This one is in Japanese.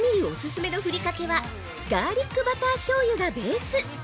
オススメのふりかけはガーリックバターしょうゆがベース。